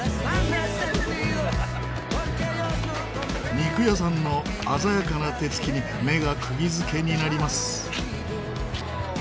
肉屋さんの鮮やかな手つきに目がくぎ付けになります。